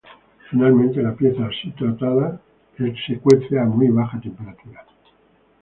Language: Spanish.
Finalmente, la pieza así tratada es cocida a muy baja temperatura.